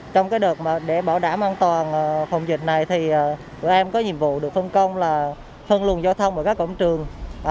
trong đợt để bảo đảm an toàn phòng dịch này thì tụi em có nhiệm vụ được phân công là phân luận giao thông ở các cổng trường